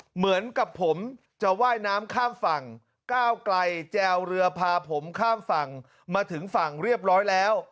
เหมือนกับผมจะว่ายน้ำข้ามฝั่งก้าวไกลแจวเรือพาผมข้ามฝั่งมาถึงฝั่งเรียบร้อยแล้ว